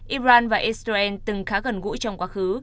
iran và israel từng khá gần gũi trong quá khứ